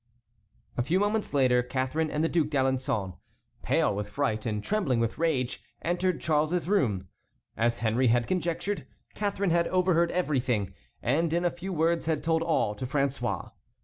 A few moments later Catharine and the Duc d'Alençon, pale with fright and trembling with rage, entered Charles's room. As Henry had conjectured, Catharine had overheard everything and in a few words had told all to François.